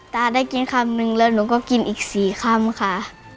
ตาได้กินคำนึงแล้วหนูก็กินอีก๔คำค่ะ